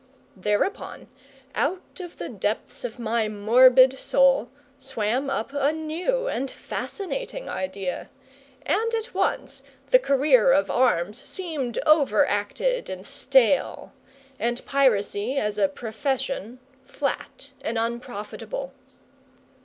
Thereupon, out of the depths of my morbid soul swam up a new and fascinating idea; and at once the career of arms seemed over acted and stale, and piracy, as a profession, flat and unprofitable.